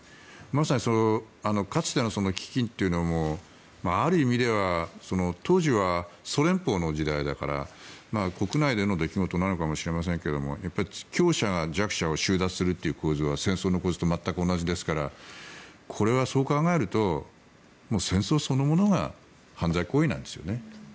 まさにかつての飢きんというのもある意味では当時はソ連邦の時代だから国内での出来事なのかもしれないですけどやっぱり強者が弱者を収奪するという構図は戦争の構図と全く同じですからこれはそう考えると戦争そのものが犯罪行為なんですよね。